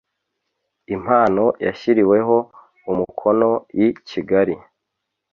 impano yashyiriweho umukono i Kigali .